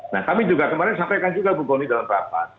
nah kami juga kemarin sampaikan juga bukoni dalam rapat